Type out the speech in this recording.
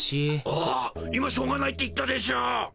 あ今しょうがないって言ったでしょ。